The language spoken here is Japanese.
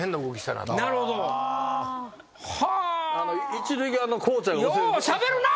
一塁側のコーチャーが。